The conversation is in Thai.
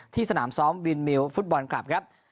สนามซ้อมวินมิวฟุตบอลคลับครับ